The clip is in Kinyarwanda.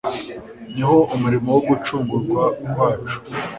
niho umurimo wo gucungurwa kwacu